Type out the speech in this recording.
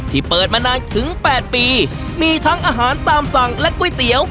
เปิดมานานถึง๘ปีมีทั้งอาหารตามสั่งและก๋วยเตี๋ยว